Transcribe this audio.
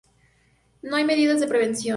No hay medidas de prevención.